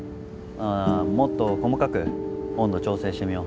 もっと細かく温度調整してみよう。